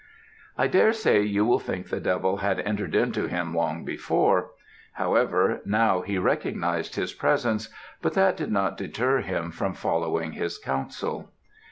"I daresay you will think the devil had entered into him long before; however, now he recognized his presence, but that did not deter him from following his counsel.